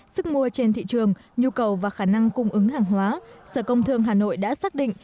sức mua trên thị trường nhu cầu và khả năng cung ứng hàng hóa sở công thương hà nội đã xác định